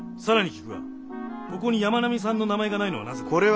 更に聞くがここに山南さんの名前がないのはなぜだ？